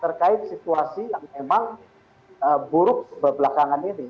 terkait situasi yang memang buruk belakangan ini